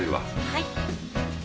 はい。